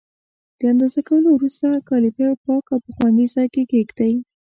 د اندازه کولو وروسته کالیپر پاک او په خوندي ځای کې کېږدئ.